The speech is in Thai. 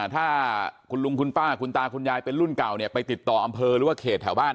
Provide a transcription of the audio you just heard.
ถ้าคุณลุงคุณป้าคุณตาคุณยายเป็นรุ่นเก่าเนี่ยไปติดต่ออำเภอหรือว่าเขตแถวบ้าน